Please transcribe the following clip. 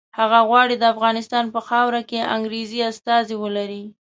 هغه غواړي د افغانستان په خاوره کې انګریزي استازي ولري.